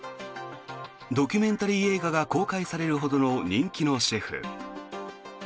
ドキュメンタリー映画が公開されるほどの人気のシェフ。